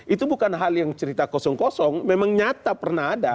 itu bukan hal yang cerita kosong kosong memang nyata pernah ada